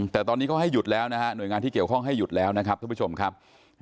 แต่ตอนนี้ก็ให้หยุดแล้วนะฮะหน่วยงานที่เกี่ยวข้องให้หยุดแล้วนะครับท่านผู้ชมครับ